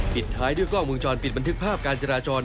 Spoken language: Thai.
ปิดท้ายด้วยกล้องมุมจรปิดบันทึกภาพการจราจร